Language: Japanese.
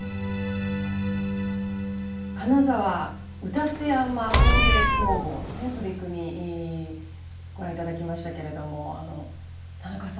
金沢卯辰山工芸工房のね取り組みご覧頂きましたけれども田中さん